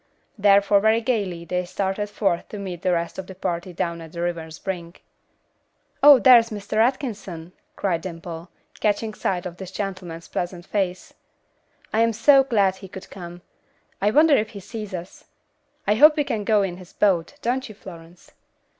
Therefore very gaily they started forth to meet the rest of the party down at the river's brink. "Oh, there's Mr. Atkinson," cried Dimple, catching sight of this gentleman's pleasant face, "I am so glad he could come. I wonder if he sees us. I hope we can go in his boat, don't you, Florence?"